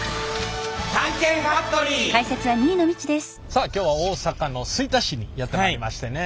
さあ今日は大阪の吹田市にやって参りましてね。